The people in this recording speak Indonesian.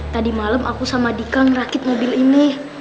tadi malam aku sama dika ngerakit mobil ini